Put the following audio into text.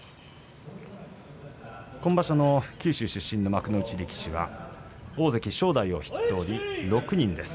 今場所の九州出身の幕内力士は大関正代を筆頭に６人です。